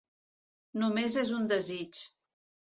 Només és un desig.